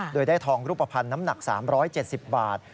โดยได้ทองรูปภัณฑ์น้ำหนัก๓๗๐บาท